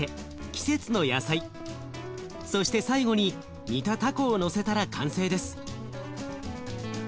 季節の野菜そして最後に煮たたこをのせたら完成です。